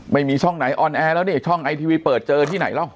ไม่มีช่องไหนออนแอร์แล้วนี่ช่องไอทีวีเปิดเจอที่ไหนแล้ว